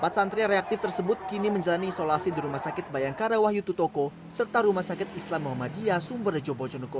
tantri reaktif tersebut kini menjalani isolasi di rumah sakit bayangkara wahyu tutoko serta rumah sakit islam muhammadiyah jemberjo